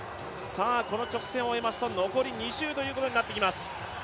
この直線を終えますと、残り２周ということになってきます。